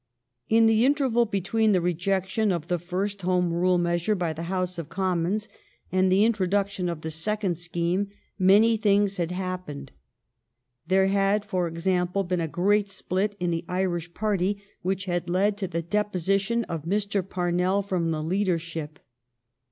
In the interval between the rejection of the first Home Rule measure by the House of Commons and the introduction of the second scheme many things had happened. There had, for example, been a great split in the Irish party which had led to the deposition of Mr. Parnell from the leader ship.